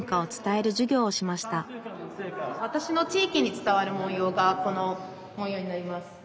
わたしの地域に伝わる文様がこの文様になります。